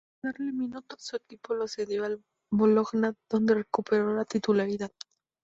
Para darle minutos su equipo lo cedió al Bologna, donde recuperó la titularidad.